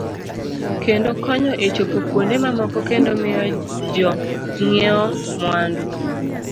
Kendo konyo e chopo kuonde mamoko kendo miyo jo ng'iewo mwandu.